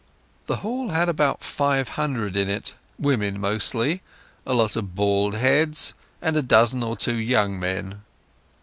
The hall had about five hundred in it, women mostly, a lot of bald heads, and a dozen or two young men.